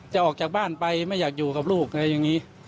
ออกจากบ้านไปไม่อยากอยู่กับลูกอะไรอย่างนี้